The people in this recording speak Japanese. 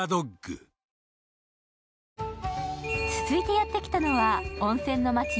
続いてやってきたのは温泉の街